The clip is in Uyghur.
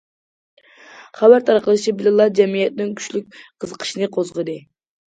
خەۋەر تارقىلىشى بىلەنلا جەمئىيەتنىڭ كۈچلۈك قىزىقىشىنى قوزغىدى.